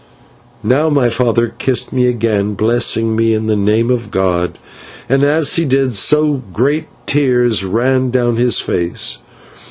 Now my father kissed me again, blessing me in the name of God, and as he did so great tears ran down his face.